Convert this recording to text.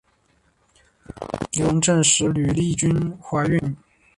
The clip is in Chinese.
刘銮雄证实吕丽君怀孕。